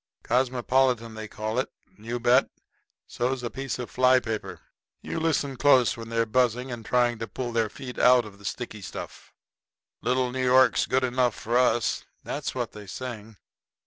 Cosmopolitan they call it. You bet. So's a piece of fly paper. You listen close when they're buzzing and trying to pull their feet out of the sticky stuff. "Little old New York's good enough for us" that's what they sing.